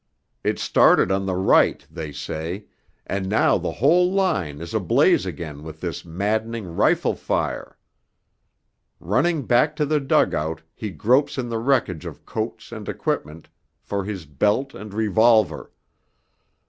It started on the right, they say, and now the whole line is ablaze again with this maddening rifle fire. Running back to the dug out he gropes in the wreckage of coats and equipment for his belt and revolver.